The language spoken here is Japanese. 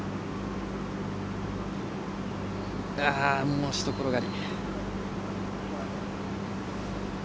もうひと転がり。